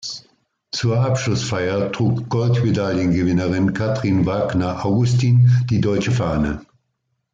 Zur Abschlussfeier trug Goldmedaillengewinnerin Katrin Wagner-Augustin die deutsche Fahne.